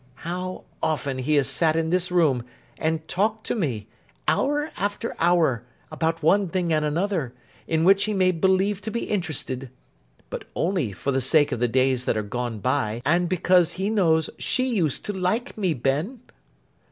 How often he has sat in this room, and talked to me, hour after hour, about one thing and another, in which he made believe to be interested!—but only for the sake of the days that are gone by, and because he knows she used to like me, Ben!